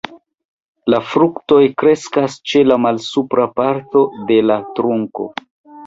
La fruktoj kreskas ĉe la malsupra parto de la trunko.